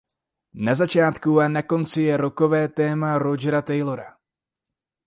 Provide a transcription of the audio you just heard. Na začátku a na konci je rockové téma Rogera Taylora.